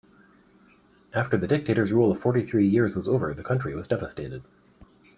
After the dictator's rule of fourty three years was over, the country was devastated.